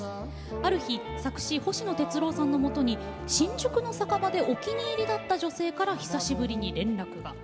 ある日作詞・星野哲郎さんのもとに新宿の酒場でお気に入りだった女性から久しぶりに連絡が。